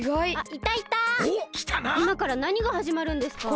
いまからなにがはじまるんですか？